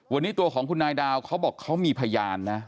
วันนี้ตัวของคุณนายดาวเขาบอกเขามีพยานนะ